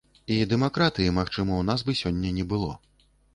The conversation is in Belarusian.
І дэмакратыі, магчыма, у нас бы сёння не было.